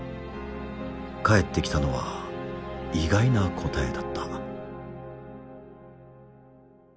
返ってきたのは意外な答えだった。